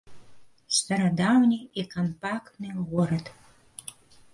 Старадаўні і кампактны горад.